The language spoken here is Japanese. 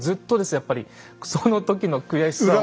やっぱりその時の悔しさを。